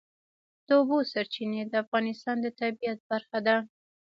د اوبو سرچینې د افغانستان د طبیعت برخه ده.